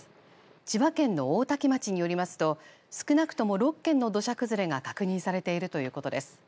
千葉県の大多喜町によりますと少なくとも６件の土砂崩れが確認されているということです。